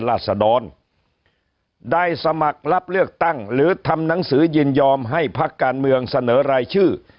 ราศดรได้สมัครรับเลือกตั้งหรือทำหนังสือยินยอมให้พักการเมืองเสนอรายชื่อ